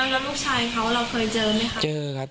แล้วลูกชายเขาเราเคยเจอมั้ยครับ